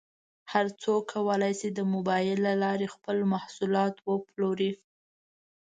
هر څوک کولی شي د مبایل له لارې خپل محصولات وپلوري.